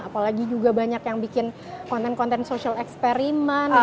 apalagi juga banyak yang bikin konten konten social eksperimen